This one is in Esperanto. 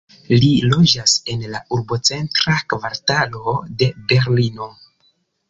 Li loĝas en la urbocentra kvartalo de Berlino.